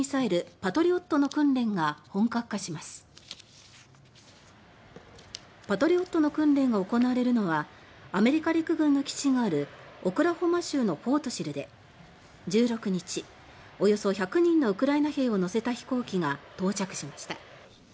「パトリオット」の訓練が行われるのはアメリカ陸軍の基地があるオクラホマ州のフォートシルで１６日、およそ１００人のウクライナ兵を乗せた飛行機が到着しました。